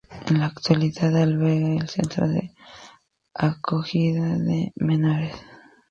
En la actualidad alberga el Centro de Acogida de Menores.